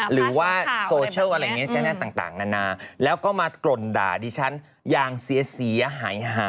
หรือว่าโซเชียลอะไรอย่างนี้ต่างนานาแล้วก็มากร่นด่าดิฉันอย่างเสียหายหา